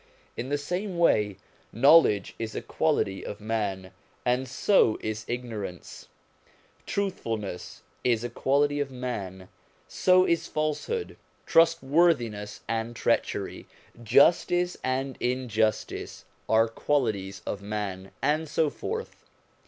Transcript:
In the same way, knowledge is a quality of man, and so is ignorance ; truthfulness is a quality of man, so is falsehood; trustworthiness and treachery, justice and injustice, are qualities of man, and so forth.